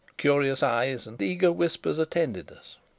Curious eyes and eager whispers attended us.